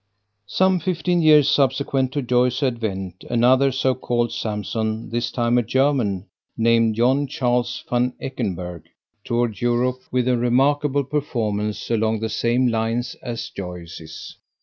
Some fifteen years subsequent to Joyce's advent, another so called Samson, this time a German named John Charles Van Eckenberg, toured Europe with a remarkable performance along the same lines as Joyce's.